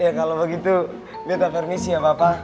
ya kalau begitu bete permisi ya bapak